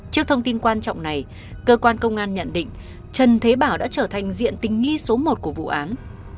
trước thông tin quan trọng này cơ quan công an nhận định trần thế bảo đã trở thành diện tình nghi số một của vụ án